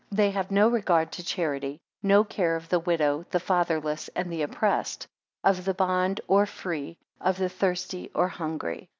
15 They have no regard to charity, no care of the widow, the fatherless, and the oppressed; of the bond or free, of the hungry or thirsty.